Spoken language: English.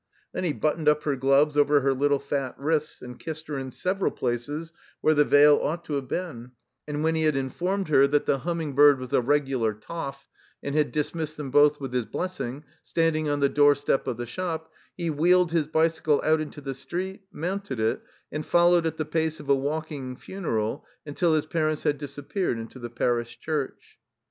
Then he buttoned up her gloves over her Uttle fat wrists and kissed her in several places where the veil ought to have been; and when he had informed her that "the 44 THE COMBINED MAZE Httnuning bird was a regular toff," and had dis missed them both with his blessing, standing on the doorstep of the shop, he wheeled his bicycle out into the street, mounted it, and followed at the pace of a walking funeral tmtil his parents had disappeared into the Parish Church.